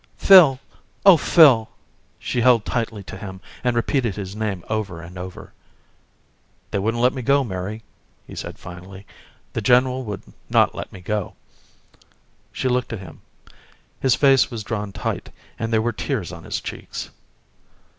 "Phil! Oh, Phil." She held tightly to him and repeated his name over and over. "They wouldn't let me go, Mary," he said finally. "The general would not let me go." She looked at him. His face was drawn tight, and there were tears on his cheeks.